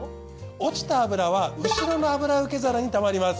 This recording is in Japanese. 落ちた脂は後ろの油受け皿にたまります。